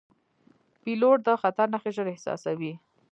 پیلوټ د خطر نښې ژر احساسوي.